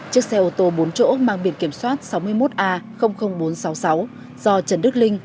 chiếc xe ô tô bốn chỗ mang biển kiểm soát sáu mươi một a bốn trăm sáu mươi sáu do trần đức linh